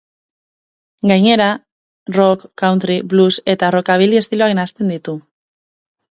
Gainera, rock, country, blues eta rockabilly estiloak nahasten ditu.